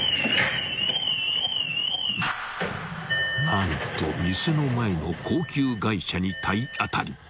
［何と店の前の高級外車に体当たり］